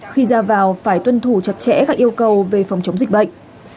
khi ra vào phải tuân thủ chặt chẽ các yêu cầu về phòng chống dịch bệnh